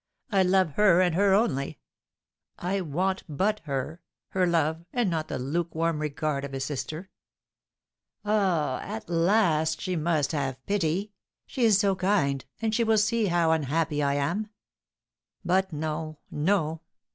I love her and her only! I want but her, her love, and not the lukewarm regard of a sister. Ah, at last she must have pity; she is so kind, and she will see how unhappy I am! But no, no!